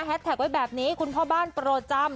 แท็กไว้แบบนี้คุณพ่อบ้านโปรดจำ